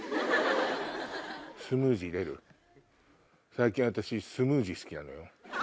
最近私スムージー好きなのよ